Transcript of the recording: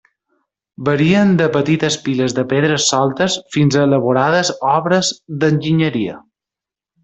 Varien de petites piles de pedres soltes fins a elaborades obres d'enginyeria.